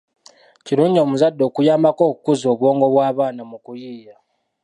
Kirungi omuzadde okunyambako okukuza obwongo bw’abaana mu kuyiiya.